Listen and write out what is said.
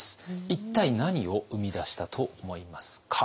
一体何を生み出したと思いますか？